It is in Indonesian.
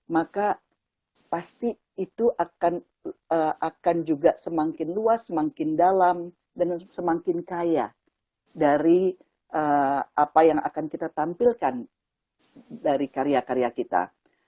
maka pasti itu akan juga semakin luas semakin dalam dan semakin kaya dari apa yang akan kita tampilkan dari karya karya kita